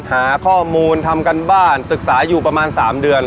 หาข้อมูลทำการบ้านศึกษาอยู่ประมาณ๓เดือน